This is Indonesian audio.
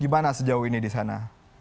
gimana sejauh ini di sana